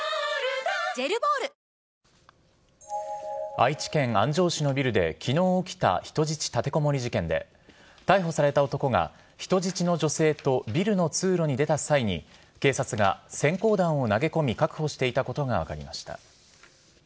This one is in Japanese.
愛知県安城市のビルで昨日起きた人質立てこもり事件で逮捕された男が人質の女性とビルの通路に出た際に警察が閃光弾を投げ込み確保していたことが分かりました。